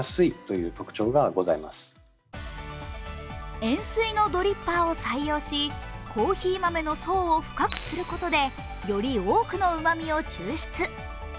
円すいのドリッパーを採用し、コーヒー豆の層を深くすることでより多くのうまみを抽出。